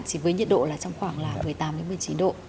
chỉ với nhiệt độ là trong khoảng là một mươi tám một mươi chín độ